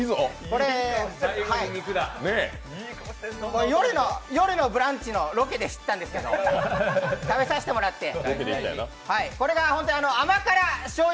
これ、「よるのブランチ」のロケで知ったんですけど、食べさせてもらって、これが甘辛しょうゆ